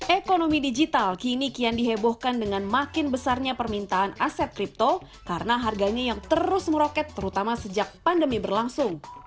ekonomi digital kini kian dihebohkan dengan makin besarnya permintaan aset kripto karena harganya yang terus meroket terutama sejak pandemi berlangsung